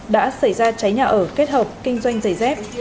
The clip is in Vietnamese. đã xảy ra cháy nhà ở kết hợp kinh doanh giấy dép